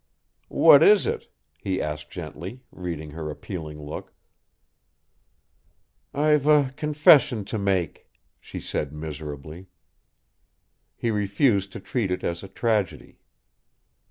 "What is it?" he asked gently, reading her appealing look. "I've a confession to make," she said miserably. He refused to treat it as a tragedy.